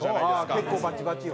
結構バチバチよ。